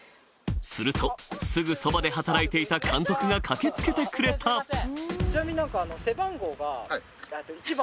するとすぐそばで働いていた監督が駆け付けてくれたハハハ。